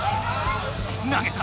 投げた！